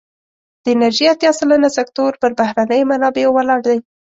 د انرژی اتیا سلنه سکتور پر بهرنیو منابعو ولاړ دی.